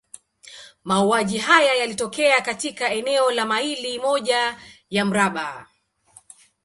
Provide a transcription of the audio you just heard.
Mauaji haya yalitokea katika eneo la maili moja ya mraba.